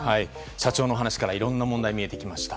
社長のお話からいろんな問題が見えてきました。